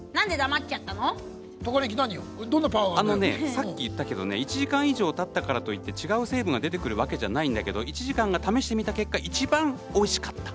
さっき言ったけど１時間以上たったからって違う成分が出てくるわけじゃなくて１時間を試してみた結果一番、１時間がおいしかった。